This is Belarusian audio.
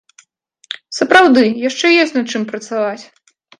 Сапраўды, яшчэ ёсць над чым працаваць!